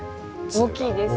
大きいですね。